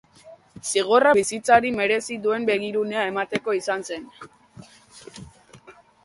Zigorra bizitzari merezi duen begirunea emateko izan zen.